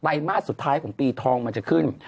มาสสุดท้ายของปีทองมันจะขึ้น